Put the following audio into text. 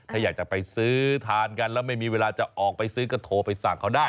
ถ้าอยากจะไปซื้อทานกันแล้วไม่มีเวลาจะออกไปซื้อก็โทรไปสั่งเขาได้